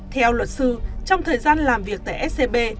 theo luật sư trong thời gian làm việc tại scb